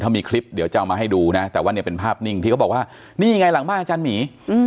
ถ้ามีคลิปเดี๋ยวจะเอามาให้ดูนะแต่ว่าเนี่ยเป็นภาพนิ่งที่เขาบอกว่านี่ไงหลังบ้านอาจารย์หมี